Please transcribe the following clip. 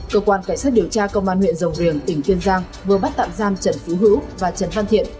cơ quan cảnh sát điều tra công an huyện rồng riềng tỉnh kiên giang vừa bắt tạm giam trần phú hữu và trần văn thiện